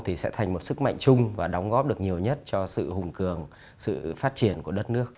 thì sẽ thành một sức mạnh chung và đóng góp được nhiều nhất cho sự hùng cường sự phát triển của đất nước